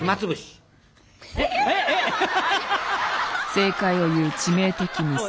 正解を言う致命的ミス。